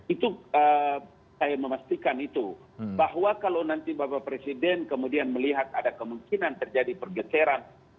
itu saya memastikan itu bahwa kalau nanti bapak presiden kemudian melihat ada kemungkinan terjadi pergeseran